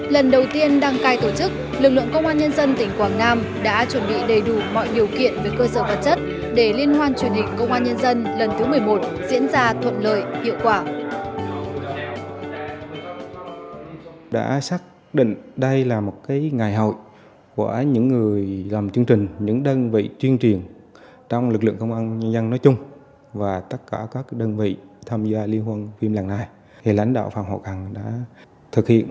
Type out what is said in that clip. lần đầu tiên đăng cai tổ chức lực lượng công an nhân dân tỉnh quảng nam đã chuẩn bị đầy đủ mọi điều kiện